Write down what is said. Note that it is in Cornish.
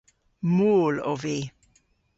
Mool ov vy.